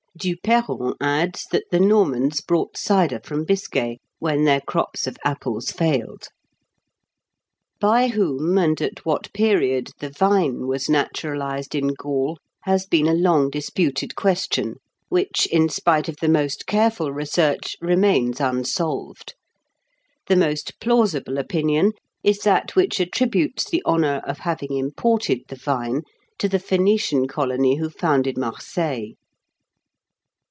Duperron adds that the Normans brought cider from Biscay, when their crops of apples failed. By whom and at what period the vine was naturalised in Gaul has been a long disputed question, which, in spite of the most careful research, remains unsolved. The most plausible opinion is that which attributes the honour of having imported the vine to the Phoenician colony who founded Marseilles.